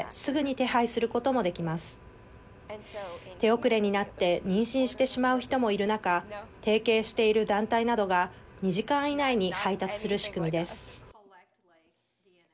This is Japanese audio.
手遅れになって妊娠してしまう人もいる中提携している団体などが２時間以内に配達する仕組みです。